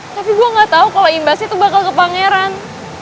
tapi gue gak tau kalau imbasnya tuh bakal ke pangeran